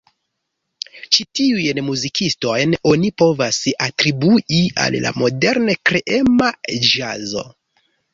Ĉi tiujn muzikistojn oni povas atribui al la modern-kreema ĵazo.